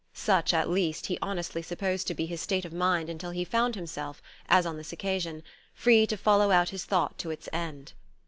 Such, at least, he honestly supposed to be his state of mind until he found himself, as on this occasion, free to follow out his thought to its end.